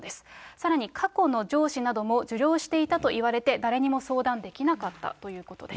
さらに過去の上司なども受領していたといわれて、誰にも相談できなかったということです。